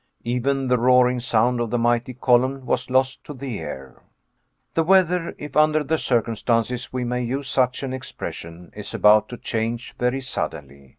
Even the roaring sound of the mighty column was lost to the ear. The weather, if, under the circumstances, we may use such an expression, is about to change very suddenly.